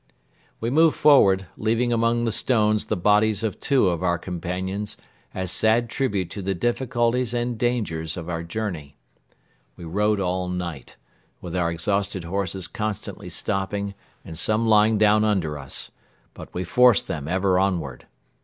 We moved forward, leaving among the stones the bodies of two of our companions as sad tribute to the difficulties and dangers of our journey. We rode all night, with our exhausted horses constantly stopping and some lying down under us, but we forced them ever onward.